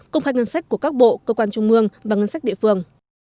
công khai ngân sách của các bộ cơ quan trung mương và ngân sách địa phương